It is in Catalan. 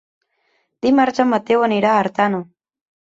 Dimarts en Mateu anirà a Artana.